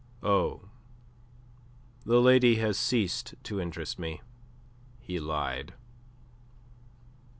"Oh! The lady has ceased to interest me," he lied.